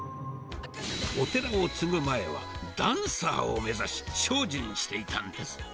お寺を継ぐ前は、ダンサーを目指し、精進していたんです。